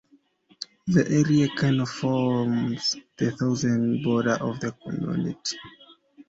The Erie Canal forms the southern border of the community.